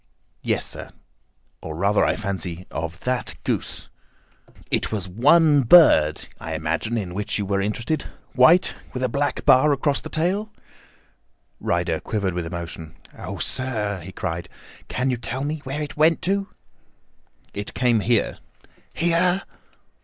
"Yes, sir." "Or rather, I fancy, of that goose. It was one bird, I imagine in which you were interested—white, with a black bar across the tail." Ryder quivered with emotion. "Oh, sir," he cried, "can you tell me where it went to?" "It came here." "Here?"